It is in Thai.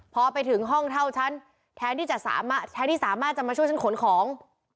พอไปถึงห้องเท่าฉันแทนที่สามารถจะมาช่วยฉันขนของ